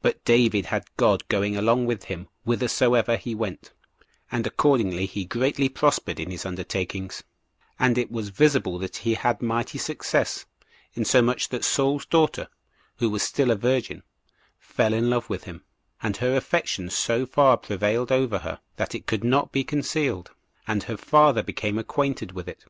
2. But David had God going along with him whithersoever he went, and accordingly he greatly prospered in his undertakings, and it was visible that he had mighty success, insomuch that Saul's daughter, who was still a virgin, fell in love with him; and her affection so far prevailed over her, that it could not be concealed, and her father became acquainted with it.